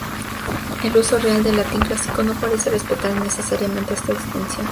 El uso real del latín clásico no parece respetar necesariamente esta distinción.